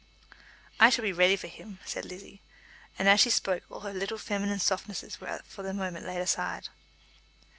"I shall be ready for him," said Lizzie, and as she spoke all her little feminine softnesses were for the moment laid aside.